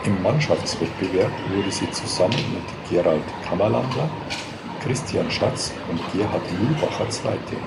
Im Mannschaftswettbewerb wurde sie zusammen mit Gerald Kammerlander, Christian Schatz und Gerhard Mühlbacher Zweite.